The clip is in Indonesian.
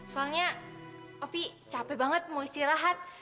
soalnya afi capek banget mau istirahat